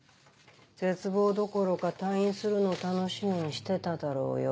絶望どころか退院するの楽しみにしてただろうよ。